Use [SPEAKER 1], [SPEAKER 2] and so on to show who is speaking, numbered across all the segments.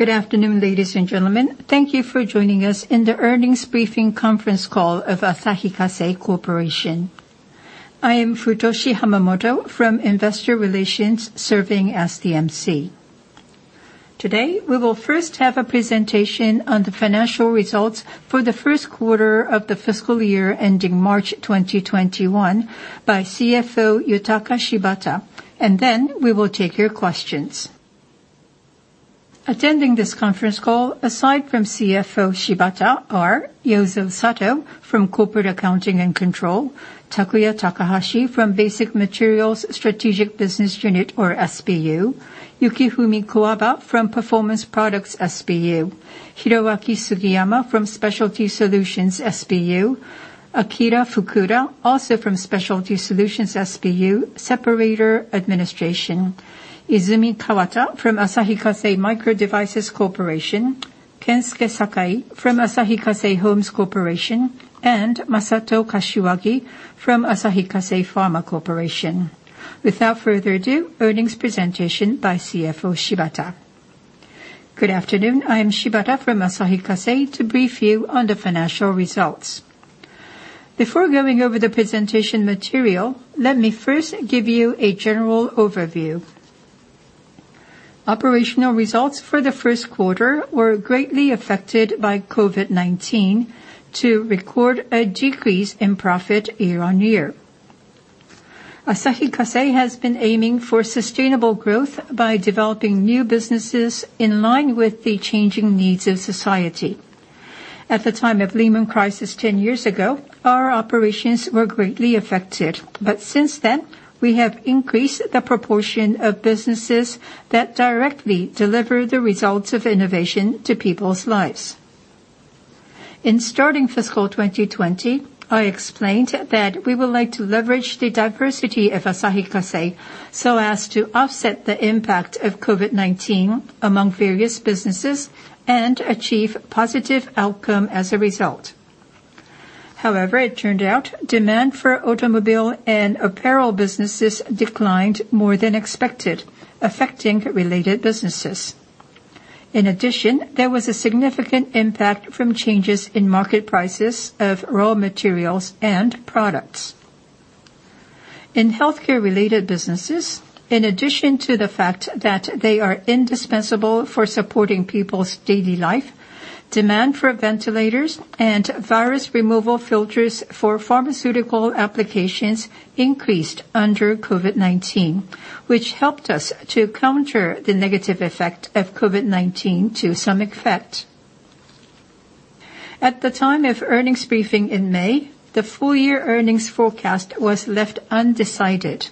[SPEAKER 1] Good afternoon, ladies and gentlemen. Thank you for joining us in the earnings briefing conference call of Asahi Kasei Corporation. I am Futoshi Hamamoto from Investor Relations, serving as the MC. Today, we will first have a presentation on the financial results for the first quarter of the fiscal year ending March 2021 by CFO Yutaka Shibata, and then we will take your questions. Attending this conference call, aside from CFO Shibata, are Yozo Sato from Corporate Accounting & Control; Takuya Takahashi from Basic Materials Strategic Business Unit, or SBU; Yukifumi Kuwaba from Performance Products SBU; Hiroaki Sugiyama from Specialty Solutions SBU; Akira Fukuda, also from Specialty Solutions SBU; Separator Administration; Izumi Kawata from Asahi Kasei Microdevices Corporation; Kensuke Sakai from Asahi Kasei Homes Corporation; and Masato Kashiwagi from Asahi Kasei Pharma Corporation. Without further ado, earnings presentation by CFO Shibata. Good afternoon.
[SPEAKER 2] I am Shibata from Asahi Kasei to brief you on the financial results. Before going over the presentation material, let me first give you a general overview. Operational results for the first quarter were greatly affected by COVID-19 to record a decrease in profit year-on-year. Asahi Kasei has been aiming for sustainable growth by developing new businesses in line with the changing needs of society. At the time of Lehman crisis 10 years ago, our operations were greatly affected. Since then, we have increased the proportion of businesses that directly deliver the results of innovation to people's lives. In starting fiscal 2020, I explained that we would like to leverage the diversity of Asahi Kasei so as to offset the impact of COVID-19 among various businesses and achieve positive outcomes as a result. However, it turned out demand for automobile and apparel businesses declined more than expected, affecting related businesses. In addition, there was a significant impact from changes in market prices of raw materials and products. In healthcare-related businesses, in addition to the fact that they are indispensable for supporting people's daily life, demand for ventilators and virus removal filters for pharmaceutical applications increased under COVID-19, which helped us to counter the negative effect of COVID-19 to some effect. At the time of earnings briefing in May, the full-year earnings forecast was left undecided.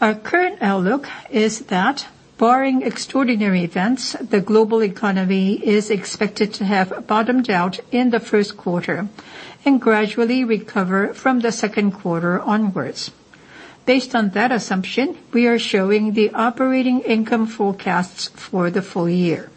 [SPEAKER 2] Our current outlook is that barring extraordinary events, the global economy is expected to have bottomed out in the first quarter and gradually recover from the second quarter onwards. Based on that assumption, we are showing the operating income forecasts for the full year.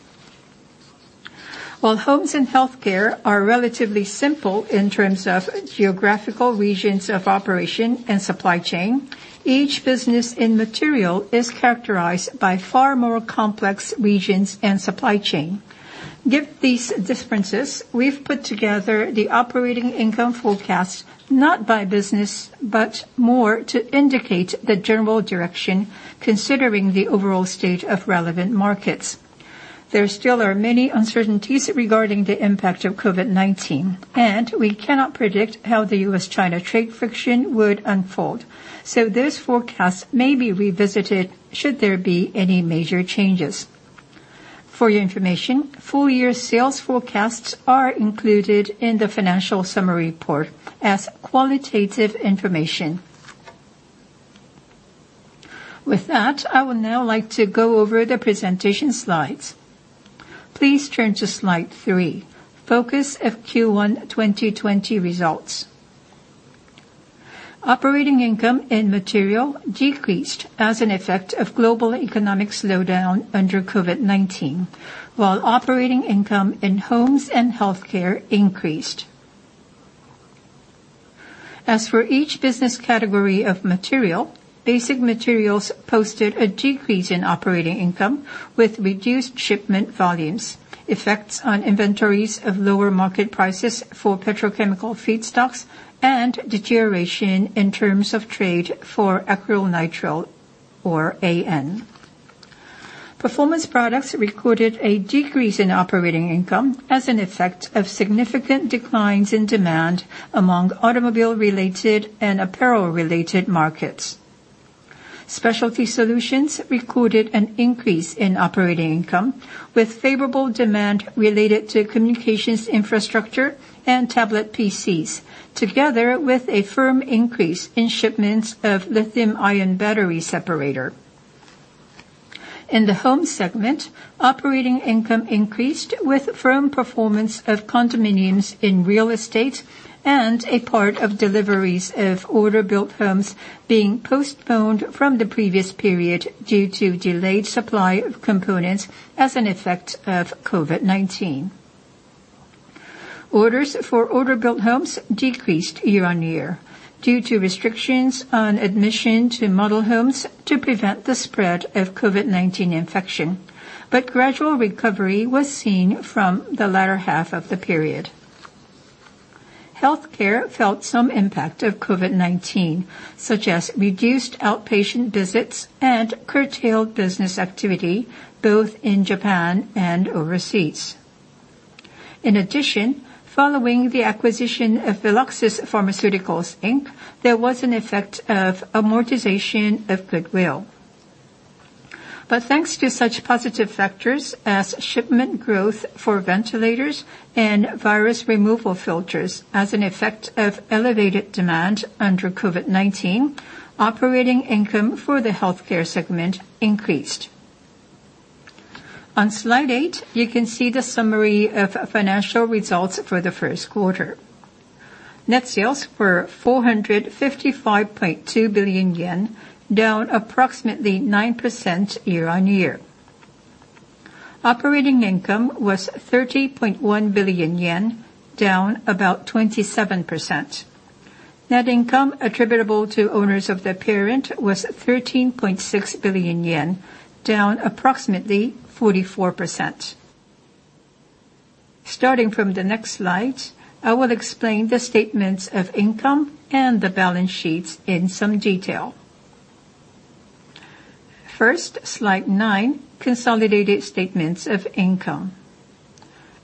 [SPEAKER 2] While homes and healthcare are relatively simple in terms of geographical regions of operation and supply chain, each business in material is characterized by far more complex regions and supply chains. Given these differences, we've put together the operating income forecast not by business but more to indicate the general direction, considering the overall state of relevant markets. There still are many uncertainties regarding the impact of COVID-19, and we cannot predict how the U.S.-China trade friction would unfold, so those forecasts may be revisited should there be any major changes. For your information, full-year sales forecasts are included in the financial summary report as qualitative information. With that, I would now like to go over the presentation slides. Please turn to slide three, Focus of Q1 2020 Results. Operating income in material decreased as an effect of global economic slowdown under COVID-19, while operating income in homes and healthcare increased. As for each business category of material, Basic Materials posted a decrease in operating income with reduced shipment volumes, effects on inventories of lower market prices for petrochemical feedstocks, and deterioration in terms of trade for acrylonitrile, or AN. Performance Products recorded a decrease in operating income as an effect of significant declines in demand among automobile-related and apparel-related markets. Specialty Solutions recorded an increase in operating income with favorable demand related to communications infrastructure and tablet PCs, together with a firm increase in shipments of lithium-ion battery separator. In the home segment, operating income increased with firm performance of condominiums in real estate and a part of deliveries of order-built homes being postponed from the previous period due to delayed supply of components as an effect of COVID-19. Orders for order-built homes decreased year-on-year due to restrictions on admission to model homes to prevent the spread of COVID-19 infection. Gradual recovery was seen from the latter half of the period. Healthcare felt some impact of COVID-19, such as reduced outpatient visits and curtailed business activity, both in Japan and overseas. Following the acquisition of Veloxis Pharmaceuticals Inc., there was an effect of amortization of goodwill. Thanks to such positive factors as shipment growth for ventilators and virus removal filters as an effect of elevated demand under COVID-19, operating income for the healthcare segment increased. On slide eight, you can see the summary of financial results for the first quarter. Net sales were 455.2 billion yen, down approximately 9% year-on-year. Operating income was 30.1 billion yen, down about 27%. Net income attributable to owners of the parent was 13.6 billion yen, down approximately 44%. Starting from the next slide, I will explain the statements of income and the balance sheets in some detail. First, slide nine, consolidated statements of income.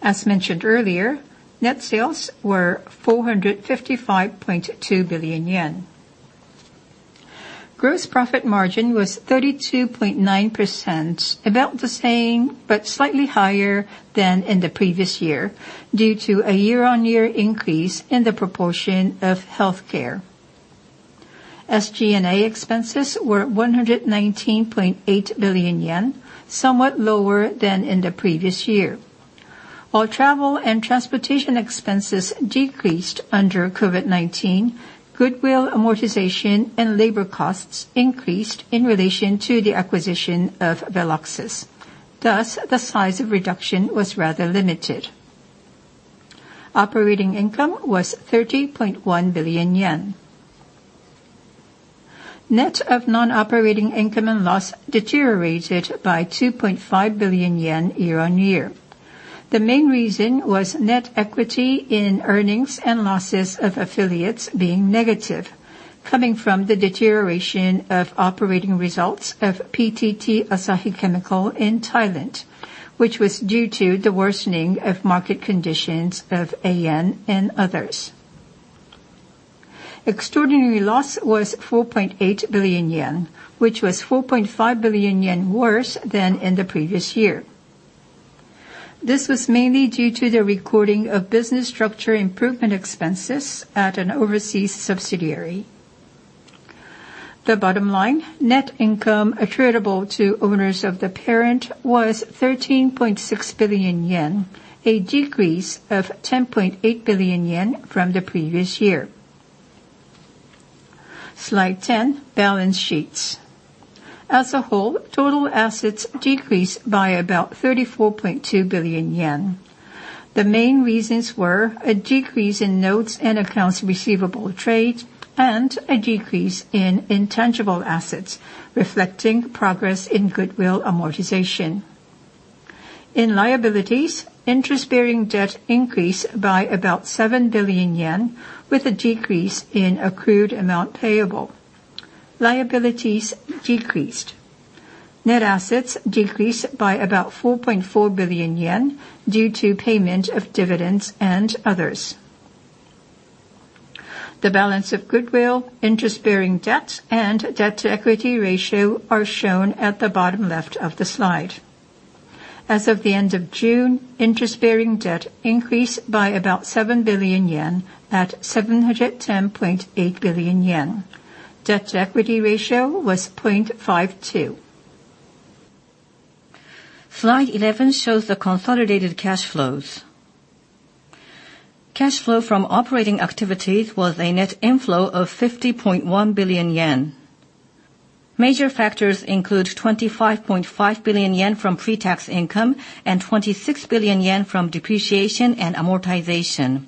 [SPEAKER 2] As mentioned earlier, net sales were 455.2 billion yen. Gross profit margin was 32.9%, about the same but slightly higher than in the previous year, due to a year-on-year increase in the proportion of healthcare. SG&A expenses were 119.8 billion yen, somewhat lower than in the previous year. While travel and transportation expenses decreased under COVID-19, goodwill amortization and labor costs increased in relation to the acquisition of Veloxis. Thus, the size of reduction was rather limited. Operating income was 30.1 billion yen. Net of non-operating income and loss deteriorated by 2.5 billion yen year-on-year. The main reason was net equity in earnings and losses of affiliates being negative, coming from the deterioration of operating results of PTT Asahi Chemical in Thailand, which was due to the worsening of market conditions of AN and others. Extraordinary loss was 4.8 billion yen, which was 4.5 billion yen worse than in the previous year. This was mainly due to the recording of business structure improvement expenses at an overseas subsidiary. The bottom line, net income attributable to owners of the parent, was 13.6 billion yen, a decrease of 10.8 billion yen from the previous year. Slide 10, balance sheets. As a whole, total assets decreased by about 34.2 billion yen. The main reasons were a decrease in notes and accounts receivable trade and a decrease in intangible assets, reflecting progress in goodwill amortization. In liabilities, interest-bearing debt increased by about 7 billion yen with a decrease in accrued amount payable. Liabilities decreased. Net assets decreased by about 4.4 billion yen due to payment of dividends and others. The balance of goodwill, interest-bearing debt, and debt-to-equity ratio are shown at the bottom left of the slide. As of the end of June, interest-bearing debt increased by about 7 billion yen at 710.8 billion yen. Debt-to-equity ratio was 0.52. Slide 11 shows the consolidated cash flows. Cash flow from operating activities was a net inflow of 50.1 billion yen. Major factors include 25.5 billion yen from pre-tax income and 26 billion yen from depreciation and amortization.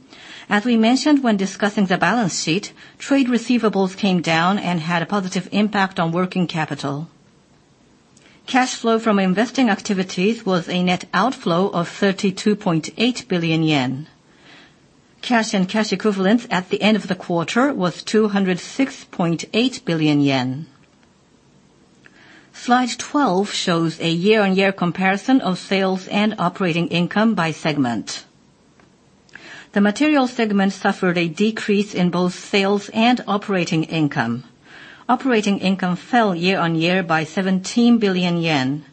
[SPEAKER 2] As we mentioned when discussing the balance sheet, trade receivables came down and had a positive impact on working capital. Cash flow from investing activities was a net outflow of 32.8 billion yen. Cash and cash equivalents at the end of the quarter was 206.8 billion yen. Slide 12 shows a year-on-year comparison of sales and operating income by segment. The material segment suffered a decrease in both sales and operating income. Operating income fell year-on-year by 17 billion yen.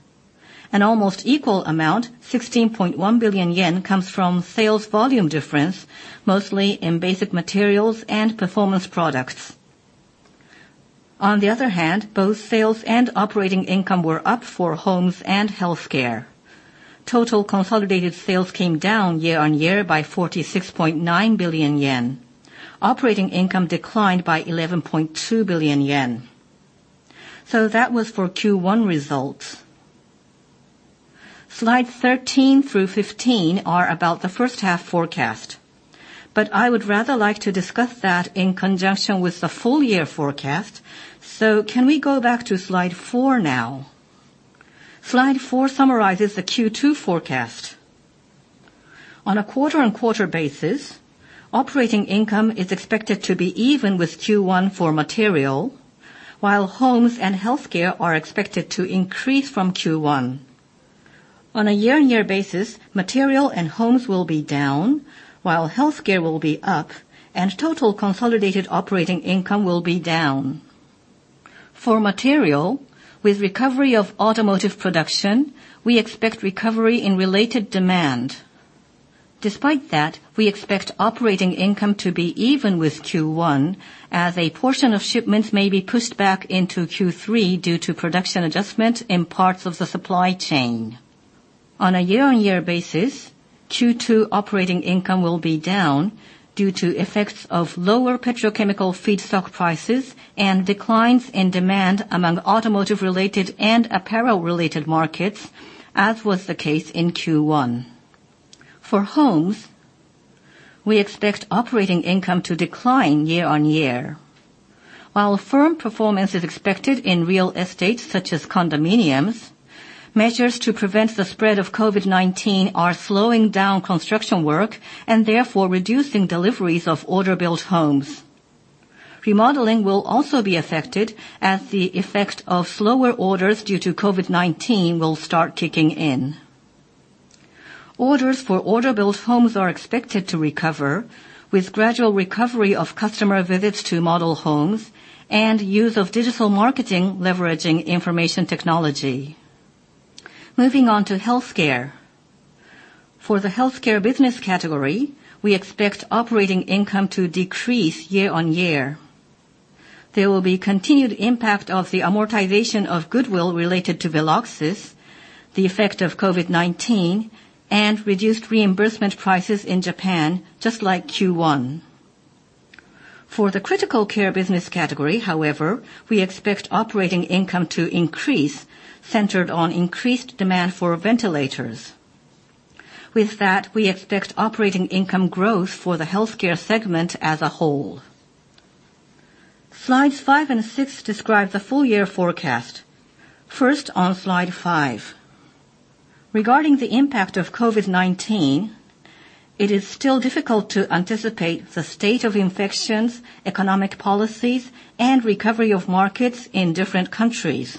[SPEAKER 2] An almost equal amount, 16.1 billion yen, comes from sales volume differences, mostly in Basic Materials and Performance Products. On the other hand, both sales and operating income were up for Homes and Healthcare. Total consolidated sales came down year-on-year by 46.9 billion yen. Operating income declined by 11.2 billion yen. That was for Q1 results. Slides 13 through 15 are about the first-half forecast, but I would rather like to discuss that in conjunction with the full-year forecast. Can we go back to slide four now? Slide four summarizes the Q2 forecast. On a quarter-on-quarter basis, operating income is expected to be even with Q1 for material, while homes and healthcare are expected to increase from Q1. On a year-on-year basis, material and homes will be down, while healthcare will be up, and total consolidated operating income will be down. For material, with recovery of automotive production, we expect recovery in related demand. Despite that, we expect operating income to be even with Q1, as a portion of shipments may be pushed back into Q3 due to production adjustments in parts of the supply chain. On a year-on-year basis, Q2 operating income will be down due to effects of lower petrochemical feedstock prices and declines in demand among automotive-related and apparel-related markets, as was the case in Q1. For Homes, we expect operating income to decline year-on-year. While firm performance is expected in real estate, such as condominiums, measures to prevent the spread of COVID-19 are slowing down construction work and therefore reducing deliveries of order-built homes. Remodeling will also be affected, as the effect of slower orders due to COVID-19 will start kicking in. Orders for order-built homes are expected to recover, with gradual recovery of customer visits to model homes and use of digital marketing leveraging information technology. Moving on to healthcare. For the healthcare business category, we expect operating income to decrease year-on-year. There will be continued impact of the amortization of goodwill related to Veloxis, the effect of COVID-19, and reduced reimbursement prices in Japan, just like Q1. For the critical care business category, however, we expect operating income to increase centered on increased demand for ventilators. With that, we expect operating income growth for the healthcare segment as a whole. Slides five and six describe the full year forecast. First, on slide five. Regarding the impact of COVID-19, it is still difficult to anticipate the state of infections, economic policies, and recovery of markets in different countries.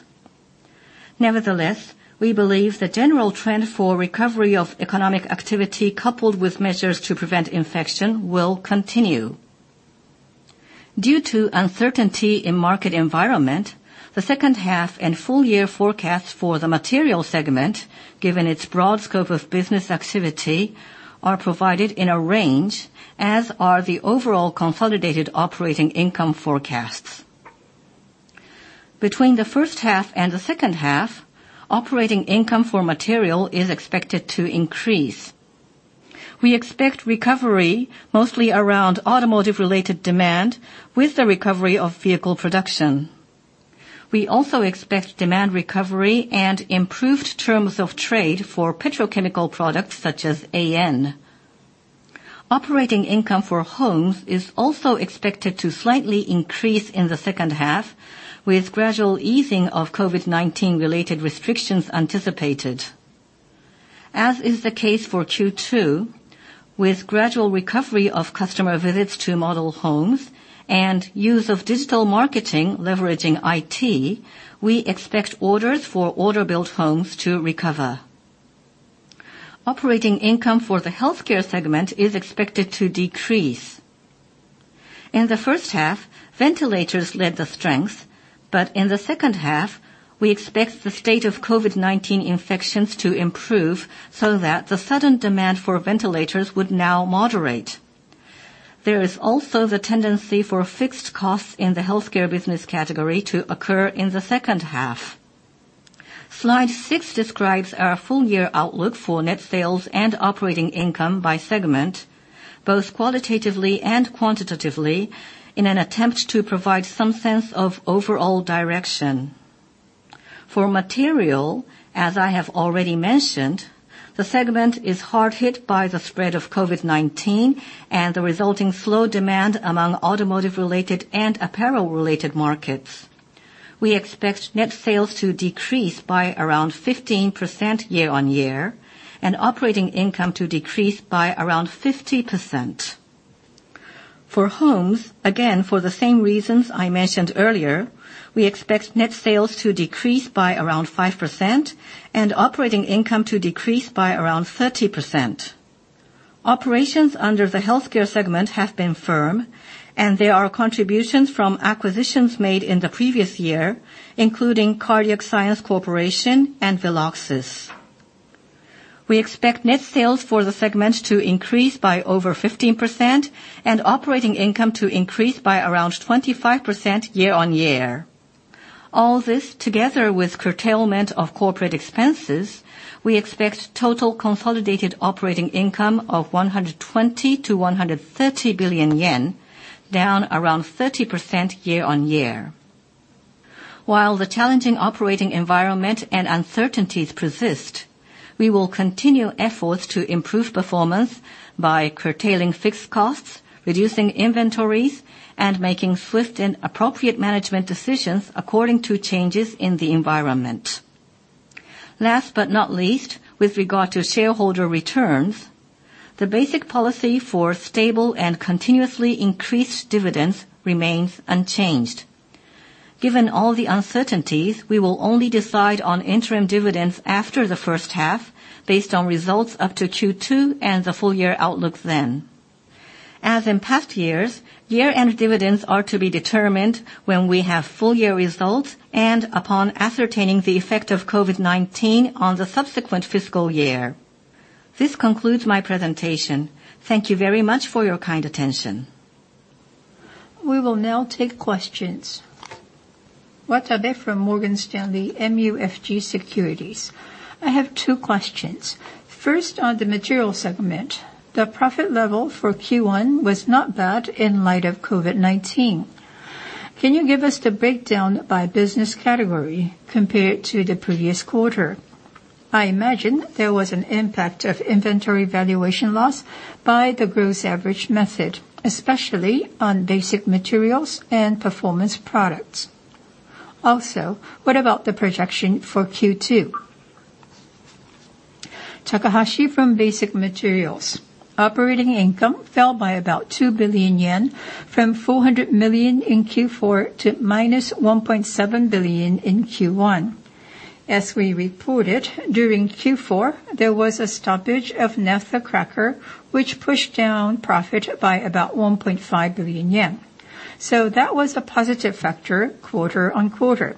[SPEAKER 2] Nevertheless, we believe the general trend for recovery of economic activity coupled with measures to prevent infection will continue. Due to uncertainty in market environment, the second half and full-year forecast for the materials segment, given its broad scope of business activity, are provided in a range, as are the overall consolidated operating income forecasts. Between the first half and the second half, operating income for materials is expected to increase. We expect recovery mostly around automotive-related demand with the recovery of vehicle production. We also expect demand recovery and improved terms of trade for petrochemical products such as AN. Operating income for homes is also expected to slightly increase in the second half, with gradual easing of COVID-19 related restrictions anticipated. As is the case for Q2, with gradual recovery of customer visits to model homes and use of digital marketing leveraging IT, we expect orders for order-build homes to recover. Operating income for the healthcare segment is expected to decrease. In the first half, ventilators led the strength, but in the second half, we expect the state of COVID-19 infections to improve so that the sudden demand for ventilators would now moderate. There is also the tendency for fixed costs in the healthcare business category to occur in the second half. Slide six describes our full year outlook for net sales and operating income by segment, both qualitatively and quantitatively, in an attempt to provide some sense of overall direction. For material, as I have already mentioned, the segment is hard hit by the spread of COVID-19 and the resulting slow demand among automotive-related and apparel-related markets. We expect net sales to decrease by around 15% year-on-year, and operating income to decrease by around 50%. For homes, again, for the same reasons I mentioned earlier, we expect net sales to decrease by around 5% and operating income to decrease by around 30%. Operations under the healthcare segment have been firm, and there are contributions from acquisitions made in the previous year, including Cardiac Science Corporation and Veloxis. We expect net sales for the segment to increase by over 15% and operating income to increase by around 25% year-on-year. All this, together with curtailment of corporate expenses, we expect total consolidated operating income of 120 billion-130 billion yen, down around 30% year-on-year. While the challenging operating environment and uncertainties persist, we will continue efforts to improve performance by curtailing fixed costs, reducing inventories, and making swift and appropriate management decisions according to changes in the environment. Last but not least, with regard to shareholder returns, the basic policy for stable and continuously increased dividends remains unchanged. Given all the uncertainties, we will only decide on interim dividends after the first half, based on results up to Q2 and the full year outlook then. As in past years, year-end dividends are to be determined when we have full year results and upon ascertaining the effect of COVID-19 on the subsequent fiscal year. This concludes my presentation. Thank you very much for your kind attention. We will now take questions.
[SPEAKER 3] Watabe from Morgan Stanley MUFG Securities. I have two questions. First, on the material segment. The profit level for Q1 was not bad in light of COVID-19. Can you give us the breakdown by business category compared to the previous quarter? I imagine there was an impact of inventory valuation loss by the gross average method, especially on Basic Materials and Performance Products. What about the projection for Q2?
[SPEAKER 4] Takahashi from Basic Materials. Operating income fell by about 2 billion yen, from 400 million in Q4 to minus 1.7 billion in Q1. As we reported, during Q4, there was a stoppage of Naphtha cracker, which pushed down profit by about 1.5 billion yen. That was a positive factor quarter-on-quarter.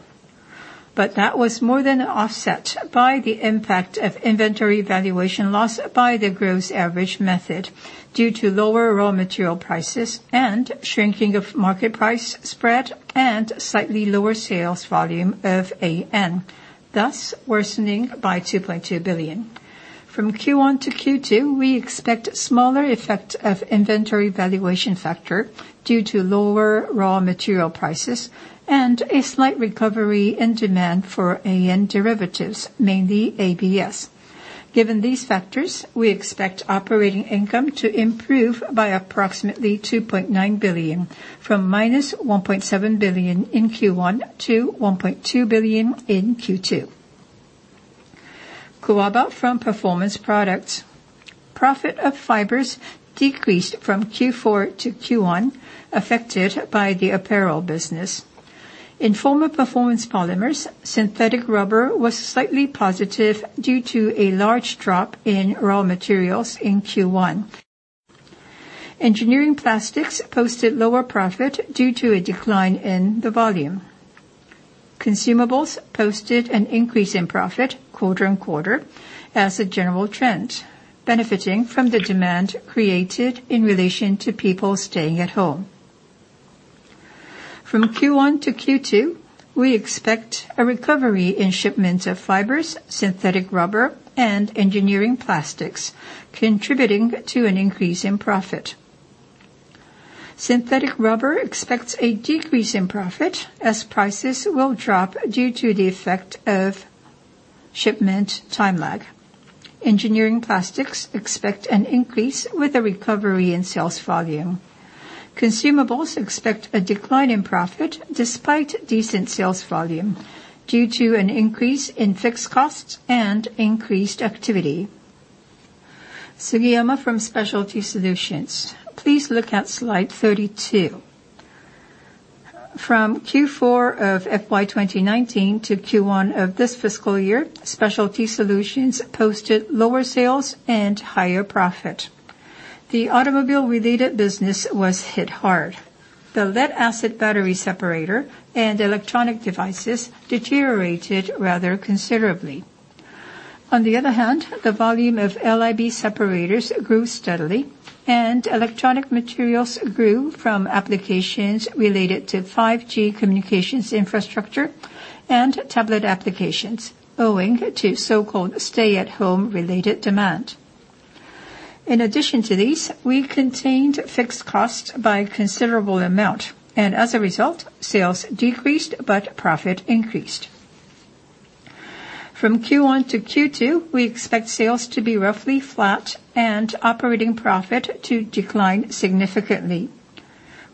[SPEAKER 4] That was more than offset by the impact of inventory valuation loss by the gross average method due to lower raw material prices and shrinking of market price spread and slightly lower sales volume of AN, thus worsening by 2.2 billion. From Q1 to Q2, we expect smaller effect of inventory valuation factor due to lower raw material prices and a slight recovery in demand for AN derivatives, mainly ABS. Given these factors, we expect operating income to improve by approximately 2.9 billion, from minus 1.7 billion in Q1 to 1.2 billion in Q2.
[SPEAKER 5] Kuwaba from Performance Products. Profit of fibers decreased from Q4 to Q1, affected by the apparel business. In former Performance Polymers, synthetic rubber was slightly positive due to a large drop in raw materials in Q1. Engineering plastics posted lower profit due to a decline in the volume. Consumables posted an increase in profit quarter-on-quarter as a general trend, benefiting from the demand created in relation to people staying at home. From Q1 to Q2, we expect a recovery in shipments of fibers, synthetic rubber, and engineering plastics, contributing to an increase in profit. Synthetic rubber expects a decrease in profit as prices will drop due to the effect of shipment time lags. Engineering plastics expect an increase with a recovery in sales volume. Consumables expect a decline in profit despite decent sales volume due to an increase in fixed costs and increased activity.
[SPEAKER 6] Sugiyama from Specialty Solutions. Please look at slide 32. From Q4 of FY 2019 to Q1 of this fiscal year, Specialty Solutions posted lower sales and higher profit. The automobile-related business was hit hard. The lead acid battery separator and electronic devices deteriorated rather considerably. On the other hand, the volume of LIB separators grew steadily, and electronic materials grew from applications related to 5G communications infrastructure and tablet applications, owing to so-called stay-at-home-related demand. In addition to these, we contained fixed costs by a considerable amount, and as a result, sales decreased but profit increased. From Q1 to Q2, we expect sales to be roughly flat and operating profit to decline significantly.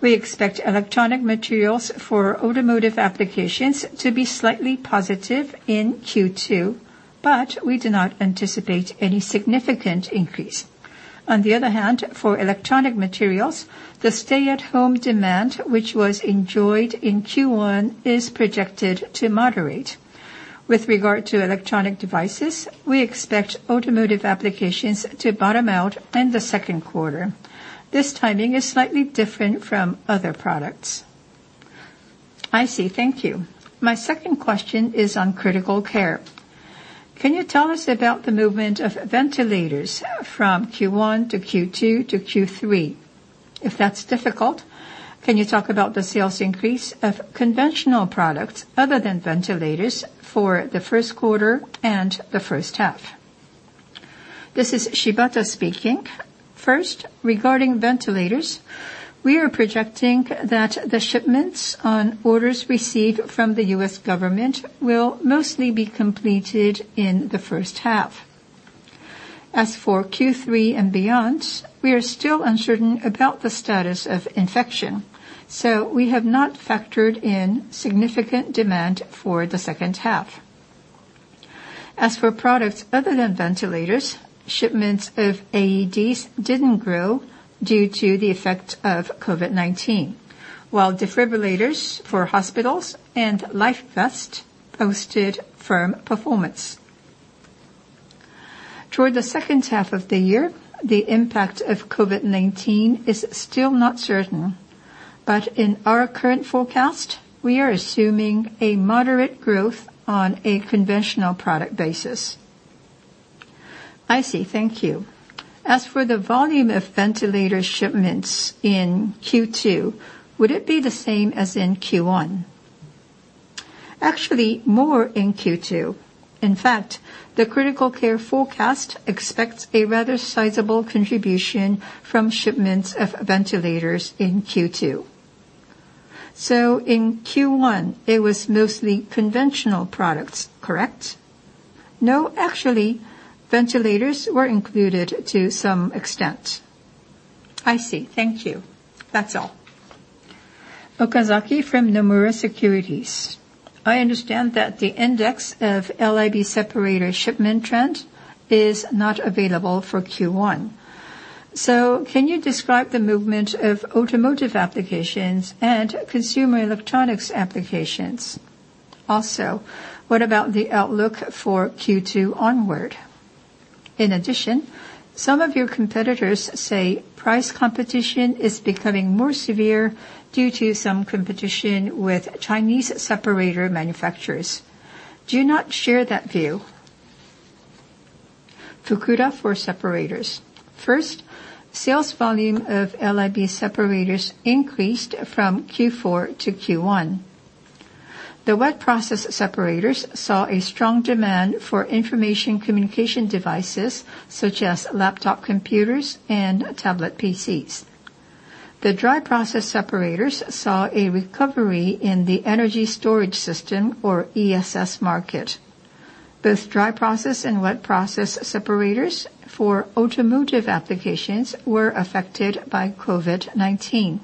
[SPEAKER 6] We expect electronic materials for automotive applications to be slightly positive in Q2, but we do not anticipate any significant increase. For electronic materials, the stay-at-home demand, which was enjoyed in Q1, is projected to moderate. With regard to electronic devices, we expect automotive applications to bottom out in the second quarter. This timing is slightly different from other products.
[SPEAKER 3] I see. Thank you. My second question is on critical care. Can you tell us about the movement of ventilators from Q1 to Q2 to Q3? If that's difficult, can you talk about the sales increase of conventional products other than ventilators for the first quarter and the first half?
[SPEAKER 2] This is Shibata speaking. First, regarding ventilators, we are projecting that the shipments on orders received from the U.S. government will mostly be completed in the first half. As for Q3 and beyond, we are still uncertain about the status of infection, so we have not factored in significant demand for the second half. As for products other than ventilators, shipments of AEDs didn't grow due to the effect of COVID-19, while defibrillators for hospitals and LifeVest posted firm performance. Toward the second half of the year, the impact of COVID-19 is still not certain. In our current forecast, we are assuming a moderate growth on a conventional product basis.
[SPEAKER 3] I see. Thank you. As for the volume of ventilator shipments in Q2, would it be the same as in Q1?
[SPEAKER 2] Actually, more in Q2. In fact, the critical care forecast expects a rather sizable contribution from shipments of ventilators in Q2.
[SPEAKER 3] In Q1 it was mostly conventional products, correct?
[SPEAKER 2] No, actually, ventilators were included to some extent.
[SPEAKER 3] I see. Thank you. That's all.
[SPEAKER 7] Okazaki from Nomura Securities. I understand that the index of LIB separator shipment trend is not available for Q1. Can you describe the movement of automotive applications and consumer electronics applications? What about the outlook for Q2 onward? Some of your competitors say price competition is becoming more severe due to some competition with Chinese separator manufacturers. Do you not share that view?
[SPEAKER 8] Fukuda for separators. Sales volume of LIB separators increased from Q4 to Q1. The wet process separators saw a strong demand for information communication devices such as laptop computers and tablet PCs. The dry process separators saw a recovery in the energy storage system or ESS market. Both dry process and wet process separators for automotive applications were affected by COVID-19.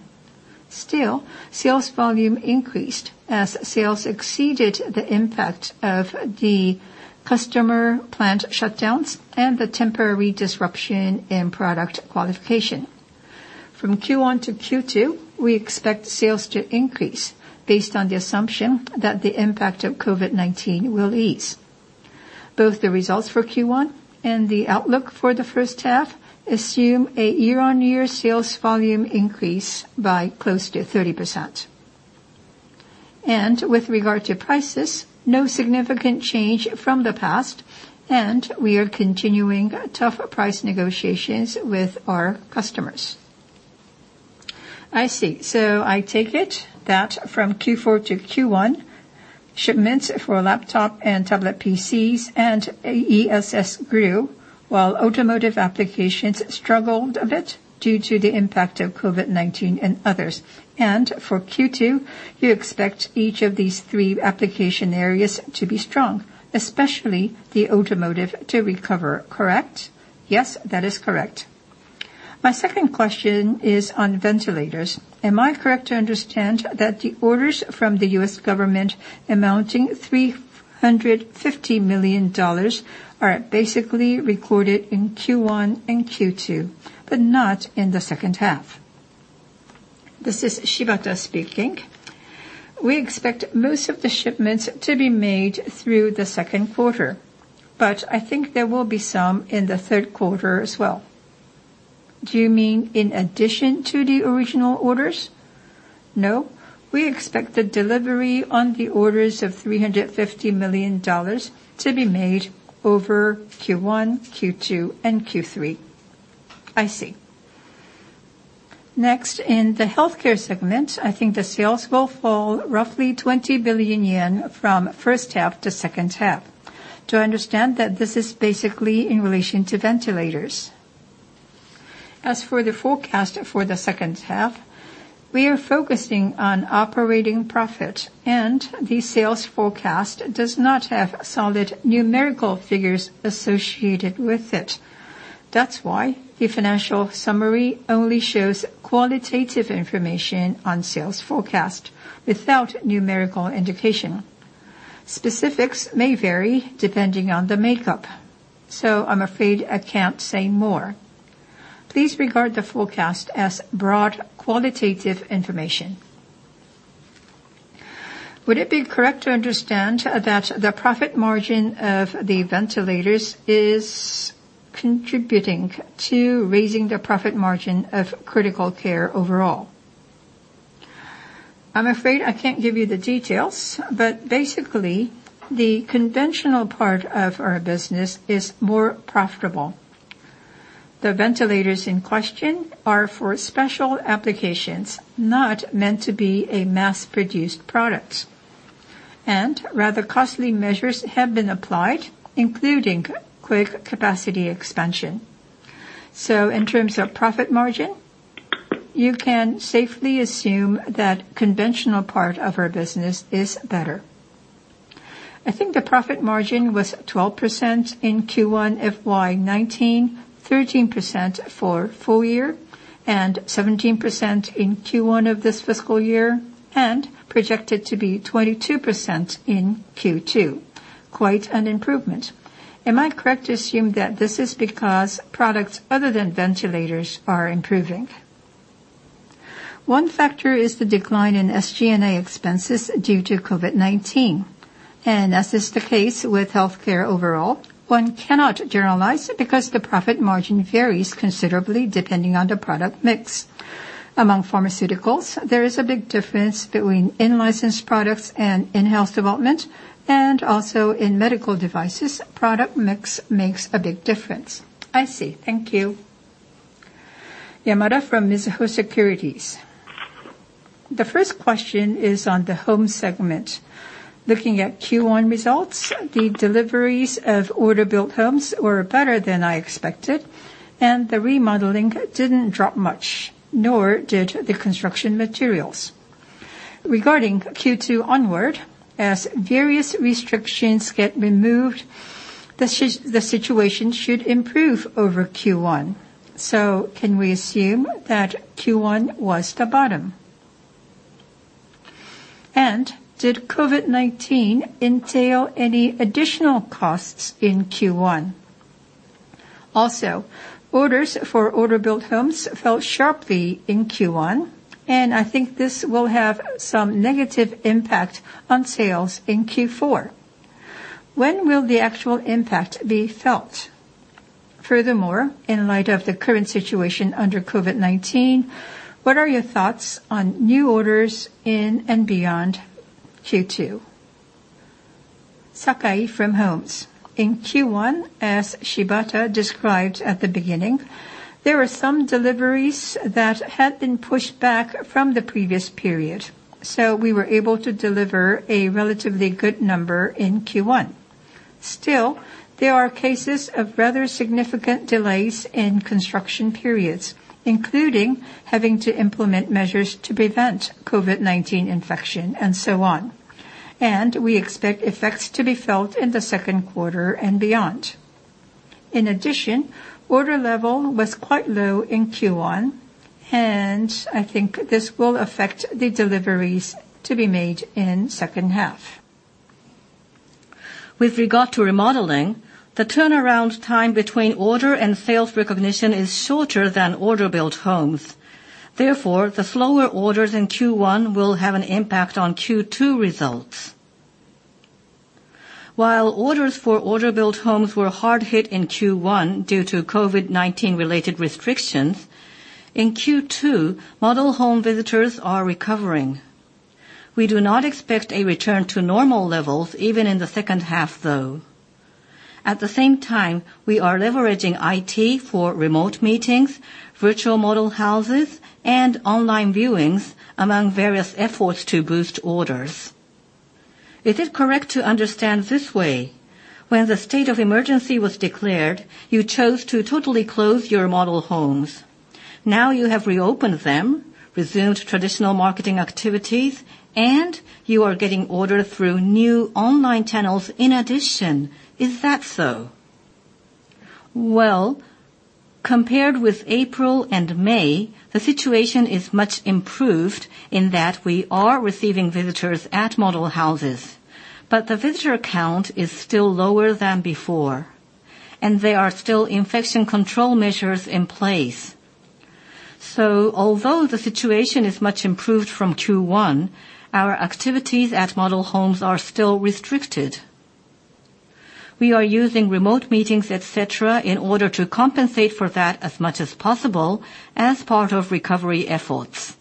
[SPEAKER 8] Sales volume increased as sales exceeded the impact of the customer plant shutdowns and the temporary disruption in product qualification. From Q1 to Q2, we expect sales to increase based on the assumption that the impact of COVID-19 will ease. Both the results for Q1 and the outlook for the first half assume a year-on-year sales volume increase by close to 30%. With regard to prices, no significant change from the past, and we are continuing tough price negotiations with our customers.
[SPEAKER 7] I see. I take it that from Q4 to Q1, shipments for laptop and tablet PCs and ESS grew, while automotive applications struggled a bit due to the impact of COVID-19 and others. For Q2, you expect each of these three application areas to be strong, especially the automotive to recover, correct?
[SPEAKER 8] Yes, that is correct.
[SPEAKER 7] My second question is on ventilators. Am I correct to understand that the orders from the U.S. government amounting $350 million are basically recorded in Q1 and Q2, but not in the second half?
[SPEAKER 2] This is Shibata speaking. We expect most of the shipments to be made through the second quarter, but I think there will be some in the third quarter as well.
[SPEAKER 7] Do you mean in addition to the original orders?
[SPEAKER 2] No. We expect the delivery on the orders of $350 million to be made over Q1, Q2, and Q3.
[SPEAKER 7] I see. Next, in the healthcare segment, I think the sales will fall roughly 20 billion yen from first half to second half. Do I understand that this is basically in relation to ventilators?
[SPEAKER 2] As for the forecast for the second half, we are focusing on operating profit, and the sales forecast does not have solid numerical figures associated with it. That's why the financial summary only shows qualitative information on sales forecast without numerical indication. Specifics may vary depending on the makeup, so I'm afraid I can't say more. Please regard the forecast as broad qualitative information.
[SPEAKER 7] Would it be correct to understand that the profit margin of the ventilators is contributing to raising the profit margin of critical care overall?
[SPEAKER 2] I'm afraid I can't give you the details, but basically, the conventional part of our business is more profitable. The ventilators in question are for special applications, not meant to be a mass-produced product. Rather costly measures have been applied, including quick capacity expansion. In terms of profit margin, you can safely assume that conventional part of our business is better.
[SPEAKER 7] I think the profit margin was 12% in Q1 FY 2019, 13% for full year, and 17% in Q1 of this fiscal year, and projected to be 22% in Q2. Quite an improvement. Am I correct to assume that this is because products other than ventilators are improving?
[SPEAKER 2] One factor is the decline in SG&A expenses due to COVID-19. As is the case with healthcare overall, one cannot generalize it because the profit margin varies considerably depending on the product mix. Among pharmaceuticals, there is a big difference between in-licensed products and in-house development, and also in medical devices, product mix makes a big difference.
[SPEAKER 7] I see. Thank you.
[SPEAKER 9] Yamada from Mizuho Securities. The first question is on the home segment. Looking at Q1 results, the deliveries of order-built homes were better than I expected, and the remodeling didn't drop much, nor did the construction materials. Regarding Q2 onward, as various restrictions get removed, the situation should improve over Q1. Can we assume that Q1 was the bottom? Did COVID-19 entail any additional costs in Q1? Also, orders for order-built homes fell sharply in Q1, and I think this will have some negative impact on sales in Q4. When will the actual impact be felt? Furthermore, in light of the current situation under COVID-19, what are your thoughts on new orders in and beyond Q2?
[SPEAKER 10] Sakai from Homes. In Q1, as Shibata described at the beginning, there were some deliveries that had been pushed back from the previous period. We were able to deliver a relatively good number in Q1. There are cases of rather significant delays in construction periods, including having to implement measures to prevent COVID-19 infection and so on, and we expect effects to be felt in the second quarter and beyond. Order level was quite low in Q1, and I think this will affect the deliveries to be made in second half. With regard to remodeling, the turnaround time between order and sales recognition is shorter than order-built homes. Therefore, the slower orders in Q1 will have an impact on Q2 results. While orders for order-built homes were hard hit in Q1 due to COVID-19 related restrictions, in Q2, model home visitors are recovering. We do not expect a return to normal levels even in the second half, though. At the same time, we are leveraging IT for remote meetings, virtual model houses, and online viewings among various efforts to boost orders.
[SPEAKER 9] Is it correct to understand this way? When the state of emergency was declared, you chose to totally close your model homes. Now you have reopened them, resumed traditional marketing activities, and you are getting orders through new online channels in addition. Is that so?
[SPEAKER 10] Well, compared with April and May, the situation is much improved in that we are receiving visitors at model houses. The visitor count is still lower than before, and there are still infection control measures in place. Although the situation is much improved from Q1, our activities at model homes are still restricted. We are using remote meetings, et cetera, in order to compensate for that as much as possible as part of recovery efforts.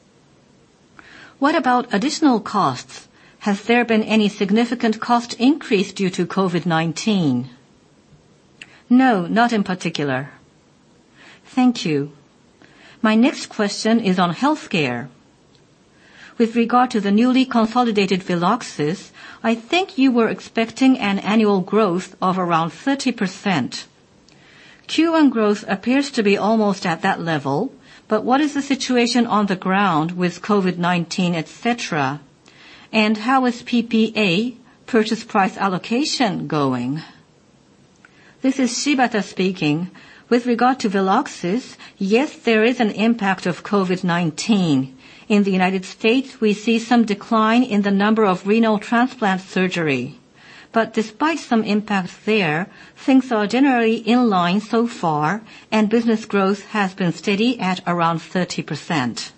[SPEAKER 9] What about additional costs? Has there been any significant cost increase due to COVID-19?
[SPEAKER 10] No, not in particular.
[SPEAKER 9] Thank you. My next question is on healthcare. With regard to the newly consolidated Veloxis, I think you were expecting an annual growth of around 30%. Q1 growth appears to be almost at that level. What is the situation on the ground with COVID-19, et cetera? How is PPA, purchase price allocation, going?
[SPEAKER 2] This is Shibata speaking. With regard to Veloxis, yes, there is an impact of COVID-19. In the U.S., we see some decline in the number of renal transplant surgery. Despite some impacts there, things are generally in line so far, and business growth has been steady at around 30%.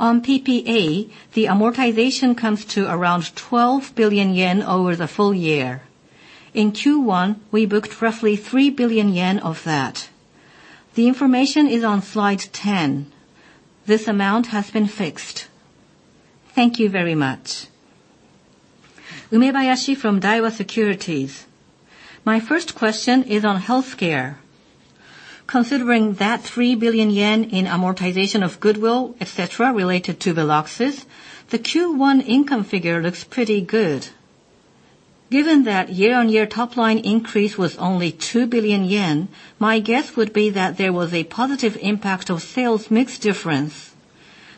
[SPEAKER 2] On PPA, the amortization comes to around 12 billion yen over the full year. In Q1, we booked roughly 3 billion yen of that. The information is on slide 10. This amount has been fixed.
[SPEAKER 9] Thank you very much.
[SPEAKER 11] Umebayashi from Daiwa Securities. My first question is on healthcare. Considering that 3 billion yen in amortization of goodwill, et cetera, related to Veloxis, the Q1 income figure looks pretty good. Given that year-on-year top-line increase was only 2 billion yen, my guess would be that there was a positive impact of sales-mix difference.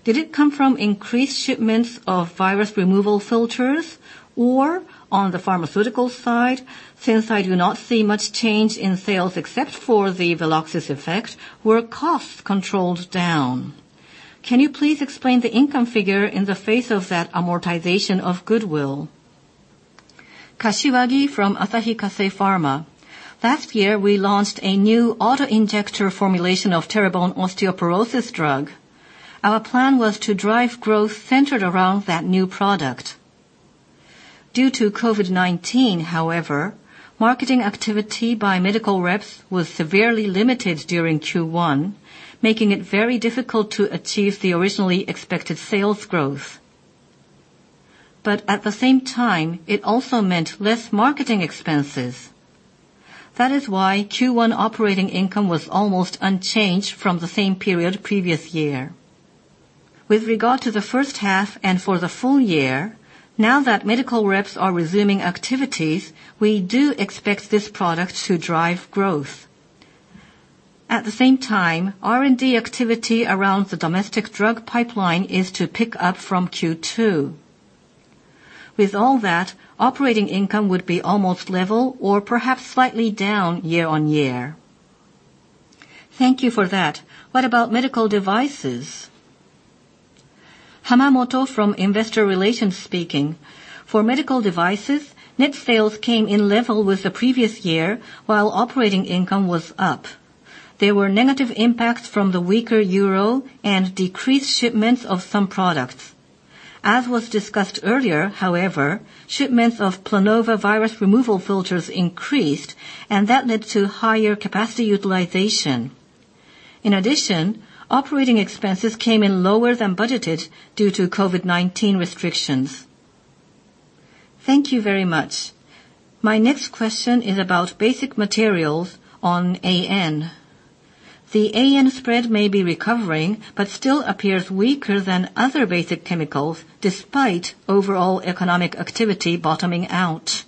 [SPEAKER 11] Did it come from increased shipments of virus removal filters? Or on the pharmaceutical side, since I do not see much change in sales except for the Veloxis effect, were costs controlled down? Can you please explain the income figure in the face of that amortization of goodwill?
[SPEAKER 12] Kashiwagi from Asahi Kasei Pharma. Last year, we launched a new auto-injector formulation of Teribone osteoporosis drug. Our plan was to drive growth centered around that new product. Due to COVID-19, however, marketing activity by medical reps was severely limited during Q1, making it very difficult to achieve the originally expected sales growth. At the same time, it also meant less marketing expenses. That is why Q1 operating income was almost unchanged from the same period previous year. With regard to the first half and for the full year, now that medical reps are resuming activities, we do expect this product to drive growth. At the same time, R&D activity around the domestic drug pipeline is to pick up from Q2. With all that, operating income would be almost level or perhaps slightly down year-on-year.
[SPEAKER 11] Thank you for that. What about medical devices?
[SPEAKER 1] Hamamoto from investor relations speaking. For medical devices, net sales came in level with the previous year while operating income was up. There were negative impacts from the weaker euro and decreased shipments of some products. As was discussed earlier, however, shipments of Planova virus removal filters increased, and that led to higher capacity utilization. In addition, operating expenses came in lower than budgeted due to COVID-19 restrictions.
[SPEAKER 11] Thank you very much. My next question is about Basic Materials on AN. The AN spread may be recovering but still appears weaker than other basic chemicals despite overall economic activity bottoming out.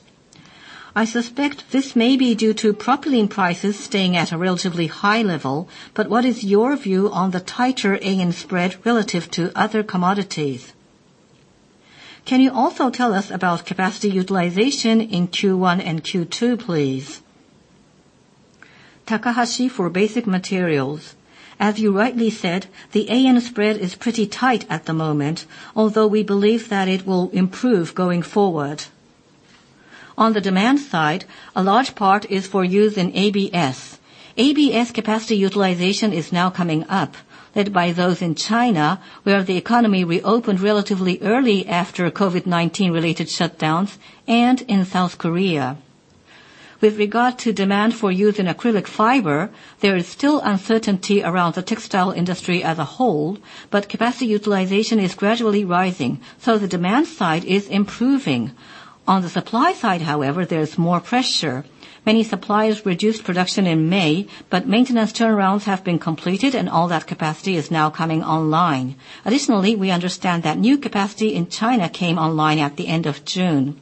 [SPEAKER 11] I suspect this may be due to propylene prices staying at a relatively high level, but what is your view on the tighter AN spread relative to other commodities? Can you also tell us about capacity utilization in Q1 and Q2, please?
[SPEAKER 4] Takahashi for Basic Materials. As you rightly said, the AN spread is pretty tight at the moment, although we believe that it will improve going forward. On the demand side, a large part is for use in ABS. ABS capacity utilization is now coming up, led by those in China, where the economy reopened relatively early after COVID-19 related shutdowns, and in South Korea. With regard to demand for use in acrylic fiber, there is still uncertainty around the textile industry as a whole, but capacity utilization is gradually rising, so the demand side is improving. On the supply side, however, there's more pressure. Many suppliers reduced production in May, but maintenance turnarounds have been completed, and all that capacity is now coming online. Additionally, we understand that new capacity in China came online at the end of June.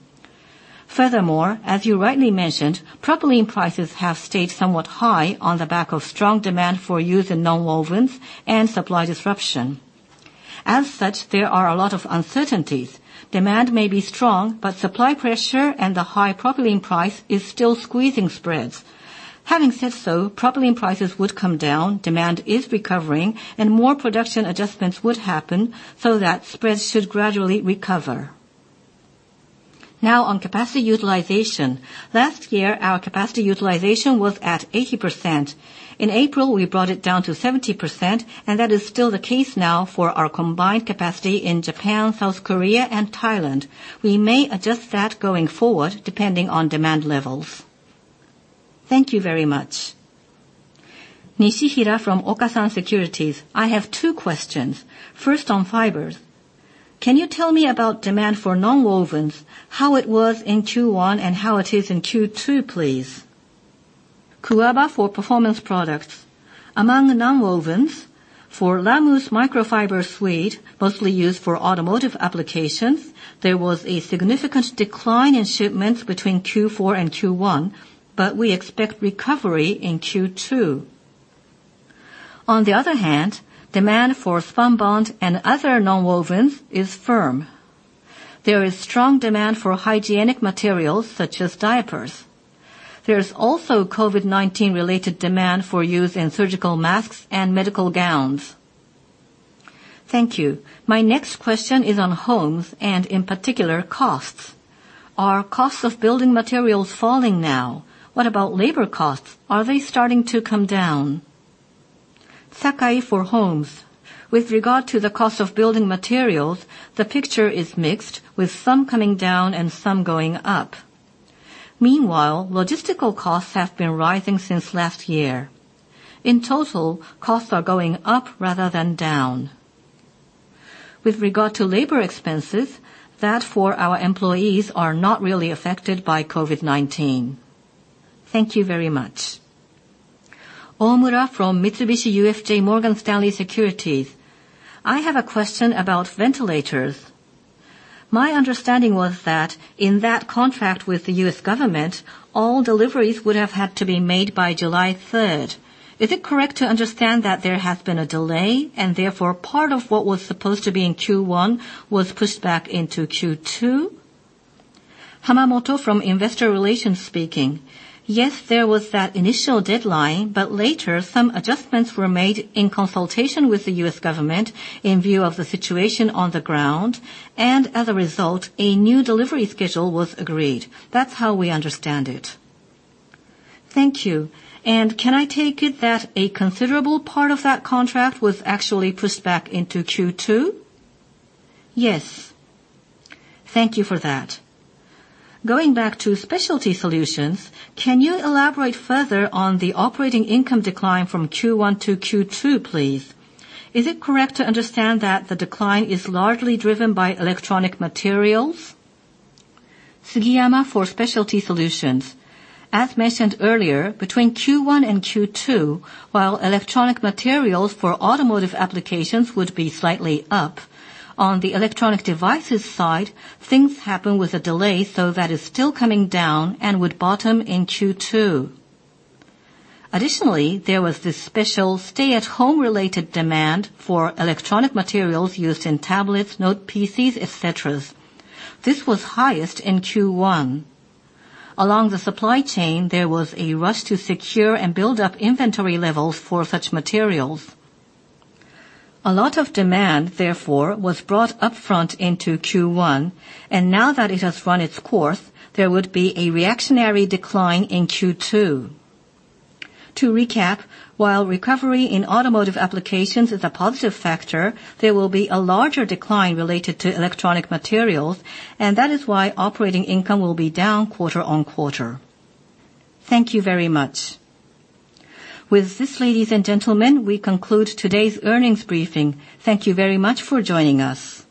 [SPEAKER 4] Furthermore, as you rightly mentioned, propylene prices have stayed somewhat high on the back of strong demand for use in nonwovens and supply disruption. As such, there are a lot of uncertainties. Demand may be strong, but supply pressure and the high propylene price is still squeezing spreads. Propylene prices would come down, demand is recovering, and more production adjustments would happen so that spreads should gradually recover. On capacity utilization. Last year, our capacity utilization was at 80%. In April, we brought it down to 70%, and that is still the case now for our combined capacity in Japan, South Korea, and Thailand. We may adjust that going forward, depending on demand levels.
[SPEAKER 11] Thank you very much.
[SPEAKER 13] Nishihira from Okasan Securities. I have two questions. First, on fibers. Can you tell me about demand for nonwovens, how it was in Q1, and how it is in Q2, please?
[SPEAKER 5] Kuwaba for Performance Products. Among the nonwovens, for Lamous microfiber suede, mostly used for automotive applications, there was a significant decline in shipments between Q4 and Q1. We expect recovery in Q2. On the other hand, demand for spunbond and other nonwovens is firm. There is strong demand for hygienic materials such as diapers. There is also COVID-19 related demand for use in surgical masks and medical gowns.
[SPEAKER 13] Thank you. My next question is on homes and, in particular, costs. Are costs of building materials falling now? What about labor costs? Are they starting to come down?
[SPEAKER 10] Sakai for homes. With regard to the cost of building materials, the picture is mixed, with some coming down and some going up. Meanwhile, logistical costs have been rising since last year. In total, costs are going up rather than down. With regard to labor expenses, that for our employees are not really affected by COVID-19.
[SPEAKER 13] Thank you very much.
[SPEAKER 14] Omura from Mitsubishi UFJ Morgan Stanley Securities. I have a question about ventilators. My understanding was that in that contract with the US government, all deliveries would have had to be made by July 3rd. Is it correct to understand that there has been a delay, and therefore, part of what was supposed to be in Q1 was pushed back into Q2?
[SPEAKER 1] Hamamoto from investor relations speaking. Yes, there was that initial deadline; later, some adjustments were made in consultation with the US government in view of the situation on the ground, and as a result, a new delivery schedule was agreed. That's how we understand it
[SPEAKER 14] Thank you. Can I take it that a considerable part of that contract was actually pushed back into Q2?
[SPEAKER 1] Yes.
[SPEAKER 14] Thank you for that. Going back to Specialty Solutions, can you elaborate further on the operating income decline from Q1 to Q2, please? Is it correct to understand that the decline is largely driven by electronic materials?
[SPEAKER 6] Sugiyama for Specialty Solutions. As mentioned earlier, between Q1 and Q2, while electronic materials for automotive applications would be slightly up, on the electronic devices side, things happen with a delay, so that is still coming down and would bottom in Q2. Additionally, there was this special stay-at-home related demand for electronic materials used in tablets, note PCs, et cetera. This was highest in Q1. Along the supply chain, there was a rush to secure and build up inventory levels for such materials. A lot of demand, therefore, was brought upfront into Q1, and now that it has run its course, there would be a reactionary decline in Q2. To recap, while recovery in automotive applications is a positive factor, there will be a larger decline related to electronic materials, and that is why operating income will be down quarter-on-quarter. Thank you very much. With this, ladies and gentlemen, we conclude today's earnings briefing. Thank you very much for joining us.